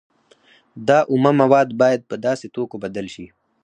دا اومه مواد باید په داسې توکو بدل شي